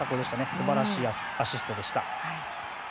素晴らしいアシストでした。